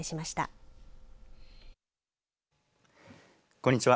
こんにちは。